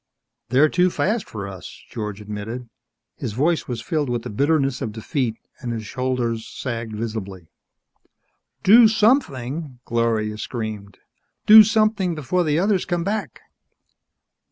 "They're too fast for us," George admitted. His voice was filled with the bitterness of defeat and his shoulders sagged visibly. "Do something!" Gloria screamed. "Do something before the others come back!"